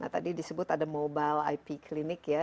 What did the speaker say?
tadi disebut ada mobile ip klinik ya